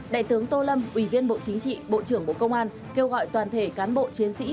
đại tướng tô lâm ủy viên bộ chính trị bộ trưởng bộ công an kêu gọi toàn thể cán bộ chiến sĩ